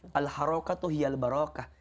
kemuliaannya ada pada pergerakannya